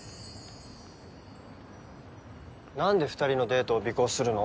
何で２人のデートを尾行するの？